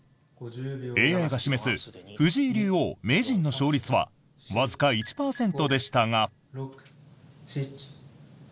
ＡＩが示す藤井竜王・名人の勝率はわずか１％でしたが。